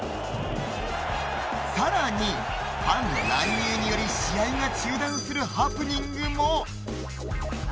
さらにファンの乱入により試合が中断するハプニングも。